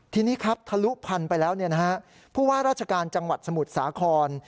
ทีนี้ครับทะลุพันธุ์ไปแล้วผู้ว่าราชการจังหวัดสมุทรสาคร